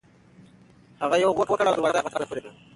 هغه یو غوپ وکړ او دروازه یې په لغته پورې کړه.